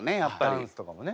ダンスとかもね。